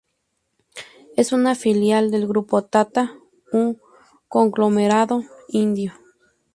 Es una filial del Grupo Tata, un conglomerado indio.